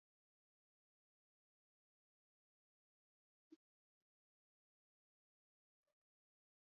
Later he worked as a parish administrator in Planina pri Rakeku.